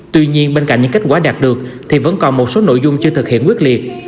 tuy nhiên bên cạnh những kết quả đạt được thì vẫn còn một số nội dung chưa thực hiện quyết liệt